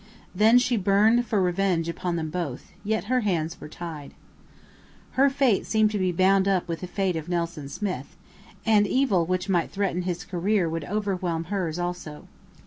Then she burned for revenge upon them both; yet her hands were tied. Her fate seemed to be bound up with the fate of Nelson Smith, and evil which might threaten his career would overwhelm hers also.